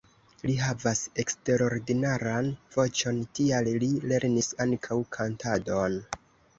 Li havas eksterordinaran voĉon, tial li lernis ankaŭ kantadon.